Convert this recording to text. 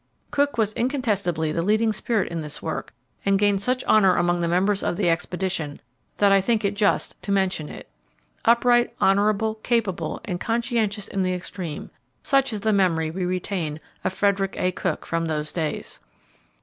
Cook was incontestably the leading spirit in this work, and gained such honour among the members of the expedition that I think it just to mention it. Upright, honourable, capable, and conscientious in the extreme such is the memory we retain of Frederick A. Cook from those days.